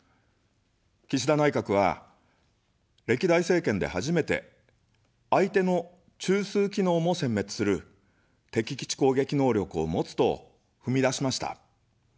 岸田内閣は、歴代政権で初めて、相手の中枢機能もせん滅する敵基地攻撃能力を持つと踏み出しました。